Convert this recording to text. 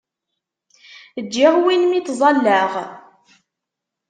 Ǧǧiɣ win mi ttẓallaɣ.